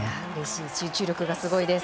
集中力がすごいです。